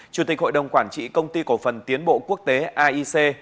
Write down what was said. chủ tịch hội đồng quản trị công ty cổ phần tiến bộ quốc tế aic